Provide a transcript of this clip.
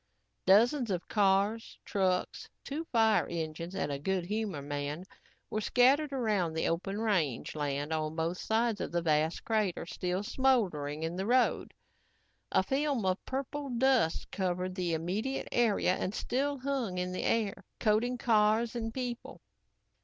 Dozens of cars, trucks, two fire engines and a Good Humor man were scattered around the open range land on both sides of the vast crater still smoldering in the road. A film of purple dust covered the immediate area and still hung in the air, coating cars and people.